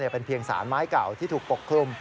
เป็นเพียงสารไม้เก่าที่ถูกปกคลุม